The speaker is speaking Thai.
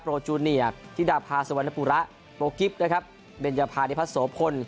จูเนียร์ธิดาภาสุวรรณปุระโปรกิฟต์นะครับเบนจภานิพัฒโสพล